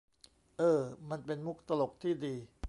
เออ มันเป็นมุกตลกที่ดี